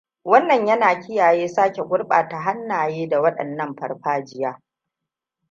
Wannan yana kiyaye sake gurbata hannaye da wadannan farfajiya.